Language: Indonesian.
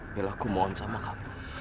yalah aku mohon sama kamu